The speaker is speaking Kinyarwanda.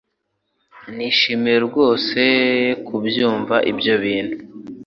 Nishimiye rwose kubyumva ibyo bintu